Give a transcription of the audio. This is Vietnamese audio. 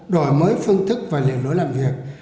đổi mới phương thức và liệu lỗi làm việc